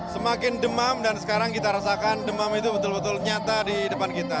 semakin demam dan sekarang kita rasakan demam itu betul betul nyata di depan kita